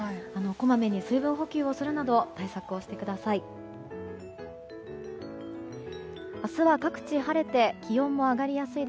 こまめに水分補給をするなど対策をしてください。